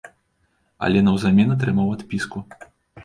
Але наўзамен атрымаў адпіску.